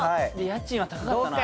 家賃は高かったな